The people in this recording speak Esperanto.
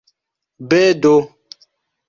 bedo